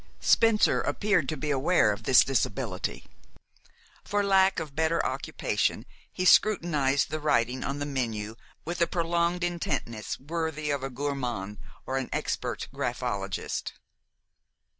Spencer appeared to be aware of this disability. For lack of better occupation he scrutinized the writing on the menu with a prolonged intentness worthy of a gourmand or an expert graphologist.